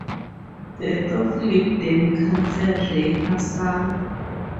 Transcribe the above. Death of Lib Dem Councillor Ray Hassall.